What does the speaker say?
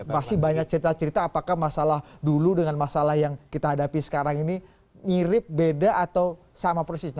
pasti banyak cerita cerita apakah masalah dulu dengan masalah yang kita hadapi sekarang ini mirip beda atau sama persisnya